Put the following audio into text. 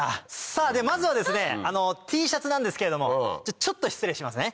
さぁまずはですねＴシャツなんですけれどもちょっと失礼しますね。